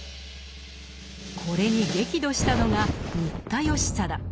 これに激怒したのが新田義貞。